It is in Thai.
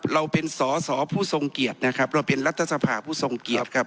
เราเป็นสอสอผู้ทรงเกียรตินะครับเราเป็นรัฐสภาผู้ทรงเกียรติครับ